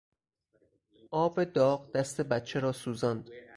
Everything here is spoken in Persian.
آب داغ دست بچه را سوزاند.